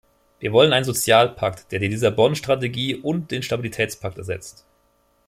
Wir wollen einen Sozialpakt, der die Lissabon-Strategie und den Stabilitätspakt ersetzt.